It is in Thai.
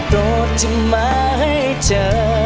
โดดจะมาให้เจอ